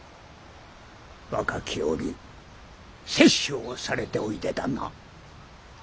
若き折殺生をされておいでだな。